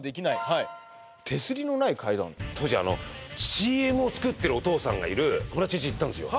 はい当時あのＣＭを作ってるお父さんがいる友達んち行ったんですよ